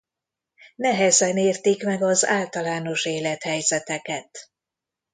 Nehezen értik meg az általános élethelyzeteket.